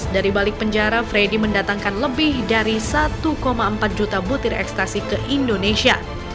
dari balik penjara freddy mendatangkan lebih dari satu empat juta butir ekstasi ke indonesia